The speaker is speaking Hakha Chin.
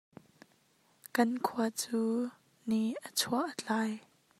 Kan khua cu ni a chuah a tlai.